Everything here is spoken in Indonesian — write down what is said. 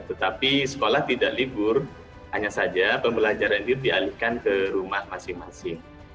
tetapi sekolah tidak libur hanya saja pembelajaran itu dialihkan ke rumah masing masing